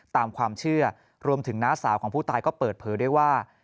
ตามความเชื่อรวมถึงน้าสาวของผู้ตายก็เปิดเผยได้ว่า